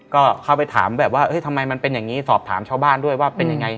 ก็เข้าไปถามแบบว่าทำไมมันเป็นอย่างนี้สอบถามชาวบ้านด้วยว่าเป็นยังไง